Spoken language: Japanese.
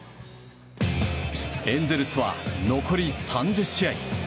エンゼルスは残り３０試合。